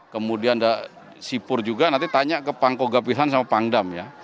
kemudian ada sipur juga nanti tanya ke pangko gapihan sama pangdam ya